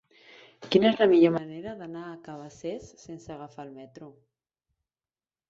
Quina és la millor manera d'anar a Cabacés sense agafar el metro?